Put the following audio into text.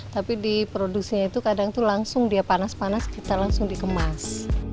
tapi di produksinya itu kadang itu langsung dia panas panas kita langsung dikemas